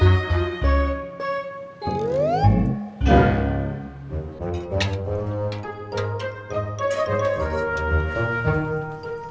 mas kagak beli bubur dulu